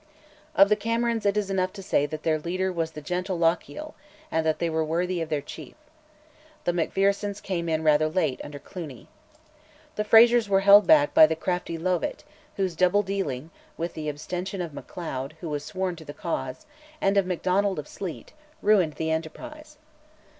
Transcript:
Of the Camerons it is enough to say that their leader was the gentle Lochiel, and that they were worthy of their chief. The Macphersons came in rather late, under Cluny. The Frazers were held back by the crafty Lovat, whose double dealing, with the abstention of Macleod (who was sworn to the cause) and of Macdonald of Sleat, ruined the enterprise.